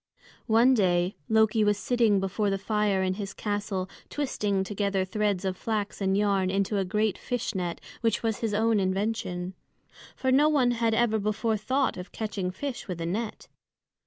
One day Loki was sitting before the fire in his castle twisting together threads of flax and yarn into a great fish net which was his own invention. For no one had ever before thought of catching fish with a net.